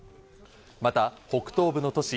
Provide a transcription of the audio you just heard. また北東部の都市